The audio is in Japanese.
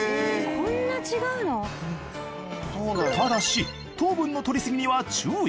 ただし糖分の摂りすぎには注意。